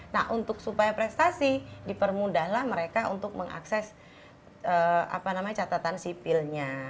nah untuk supaya prestasi dipermudahlah mereka untuk mengakses catatan sipilnya